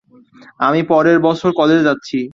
আমি পরের বছর কলেজে যাচ্ছি।